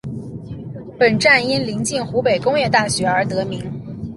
本站因临近湖北工业大学而得名。